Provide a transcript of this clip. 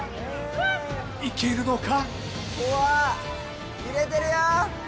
行けるのか？